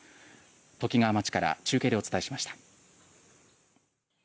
ときがわ町から中継でお伝えしました。